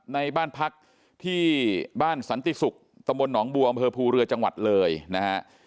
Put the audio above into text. ในบ้านพักที่บ้านสันติศุกร์ตำบลหนองบัวอำเภอภูเรือจังหวัดเลยนะฮะ